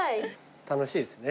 楽しいですね。